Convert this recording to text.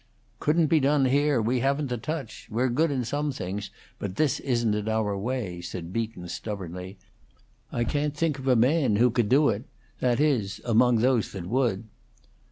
"Couldn't be done here. We haven't the touch. We're good in some things, but this isn't in our way," said Beaton, stubbornly. "I can't think of a man who could do it; that is, among those that would."